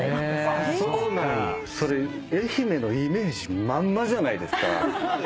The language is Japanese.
それ愛媛のイメージまんまじゃないですか。